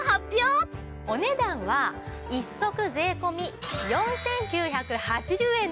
お値段は１足税込４９８０円です。